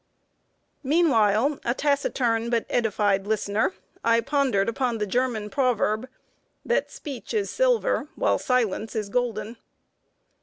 Meanwhile, a taciturn but edified listener, I pondered upon the German proverb, that "speech is silver, while silence is golden."